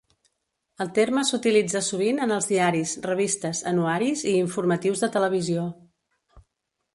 El terme s'utilitza sovint en els diaris, revistes, anuaris i informatius de televisió.